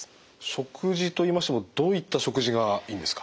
食事といいましてもどういった食事がいいんですか？